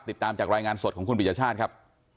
ติดตามจากรายงานสดของคุณปริญญาชาติครับ